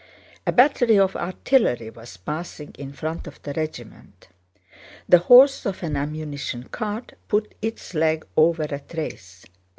A battery of artillery was passing in front of the regiment. The horse of an ammunition cart put its leg over a trace.